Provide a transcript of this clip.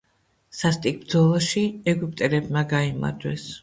სასტიკ ბრძოლაში ეგვიპტელებმა გაიმარჯვეს.